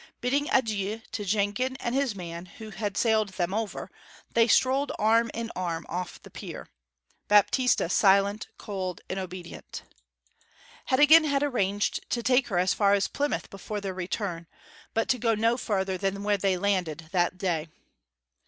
Bidding adieu to Jenkin and his man, who had sailed them over, they strolled arm in arm off the pier, Baptista silent, cold, and obedient. Heddegan had arranged to take her as far as Plymouth before their return, but to go no further than where they had landed that day.